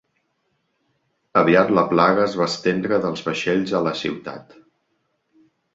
Aviat la plaga es va estendre dels vaixells a la ciutat.